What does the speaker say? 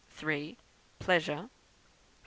Pleasure; 4.